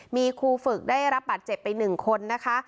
มีครูฝึกได้รับบาดเจ็บไป๑คนนะคะ